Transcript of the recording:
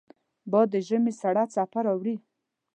باد د ژمې سړه څپه راوړي